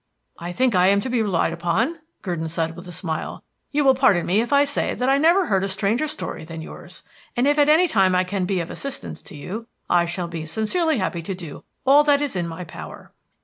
"I think I am to be relied upon," Gurdon said with a smile. "You will pardon me if I say that I never heard a stranger story than yours; and if at any time I can be of assistance to you, I shall be sincerely happy to do all that is in my power."